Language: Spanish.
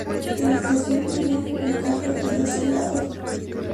En la estación murieron un cabo y dos soldados.